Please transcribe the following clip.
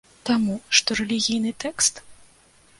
Таму, што рэлігійны тэкст?